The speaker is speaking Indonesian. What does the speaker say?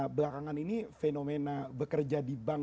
belakangan ini fenomena bekerja di bank